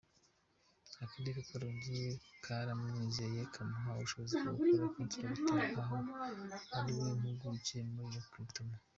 Akarere ka Karongi karamwizeye kamuha ubushobozi bwo gukora contract nkaho ariwe mpuguke muri recruitment.